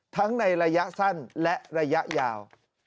ในระยะสั้นและระยะยาว